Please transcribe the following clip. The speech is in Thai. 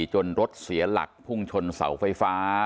รถเสียหลักพุ่งชนเสาไฟฟ้า